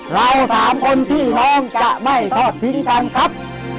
เราสามคนพี่น้องจะไม่ทอดทิ้งกันครับ